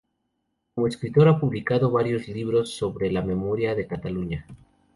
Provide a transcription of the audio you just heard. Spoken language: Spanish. Como escritor ha publicado varios libros sobre la memoria de Cataluña.